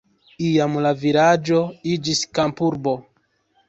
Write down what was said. Iam la vilaĝo iĝis kampurbo.